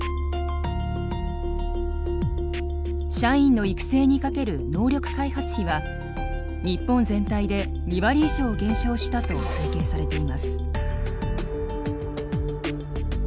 社員の育成にかける能力開発費は日本全体で２割以上減少したと推計されています。